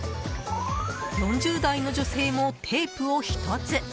４０代の女性も、テープを１つ。